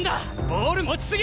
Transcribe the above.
ボール持ちすぎ！